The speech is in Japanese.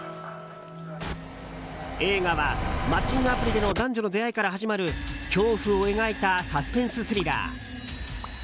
映画はマッチングアプリでの男女の出会いから始まる恐怖を描いたサスペンススリラー。